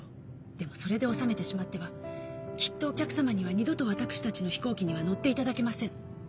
でもそれで治めてしまってはきっとお客さまには二度と私たちの飛行機には乗っていただけません。